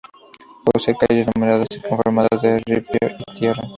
Posee calles numeradas y conformadas de ripio y tierra.